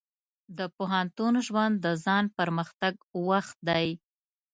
د پوهنتون ژوند د ځان پرمختګ وخت دی.